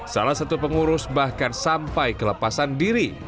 salah satu pengurus bahkan sampai kelepasan diri